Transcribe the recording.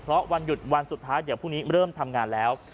เพราะวันหยุดวันสุดท้ายเดี๋ยวพรุ่งนี้เริ่มทำงานแล้ว